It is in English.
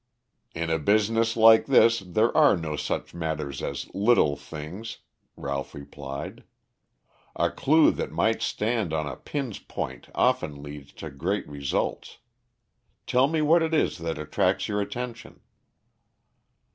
"In a business like this, there are no such matters as little things," Ralph replied. "A clue that might stand on a pin's point often leads to great results. Tell me what it is that attracts your attention."